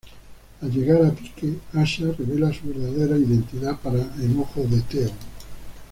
Al llegar a Pyke, Asha revela su verdadera identidad para enojo de Theon.